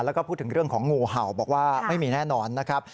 แล้วก็พูดถึงเรื่องของงูเห่าบอกว่าไม่มีแน่นอนนะครับ